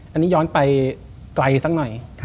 อันนี้ย้อนไปไกลสักหน่อย